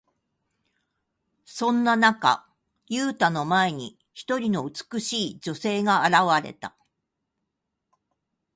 そんな中、ユウタの前に、一人の美しい女性が現れた。